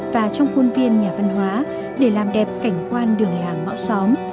và trong khuôn viên nhà văn hóa để làm đẹp cảnh quan đường làng ngõ xóm